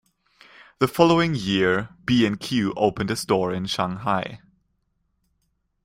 The following year, B and Q opened a store in Shanghai.